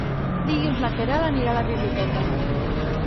Dilluns na Queralt anirà a la biblioteca.